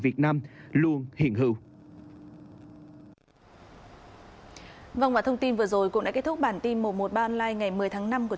việt nam luôn hiện hữu thông tin vừa rồi cũng đã kết thúc bản tin một trăm một mươi ba online ngày một mươi tháng năm của